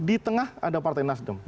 di tengah ada partai nasdem